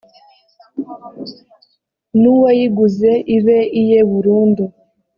n uwayiguze ibe iye burundu